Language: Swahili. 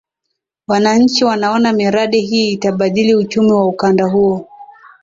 Wananchi wanaona miradi hii itabadili uchumi wa ukanda huo